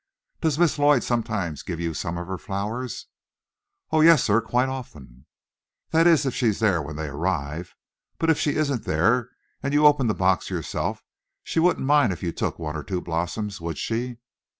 "Does Miss Lloyd sometimes give you some of her flowers?" "Oh, yes, sir, quite often." "That is, if she's there when they arrive. But if she isn't there, and you open the box yourself, she wouldn't mind if you took one or two blossoms, would she?"